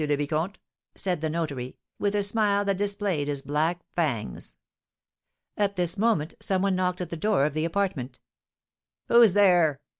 le Vicomte," said the notary, with a smile that displayed his black fangs. At this moment some one knocked at the door of the apartment. "Who's there?"